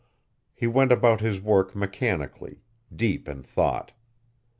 He went about his work mechanically, deep in thought.